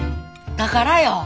だからよ！